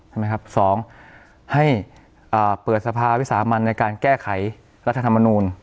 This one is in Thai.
ใช่ไหมครับสองให้เปิดสภาวิสามันในการแก้ไขรัฐธรรมนูล